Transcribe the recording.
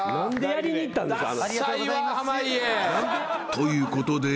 ［ということで］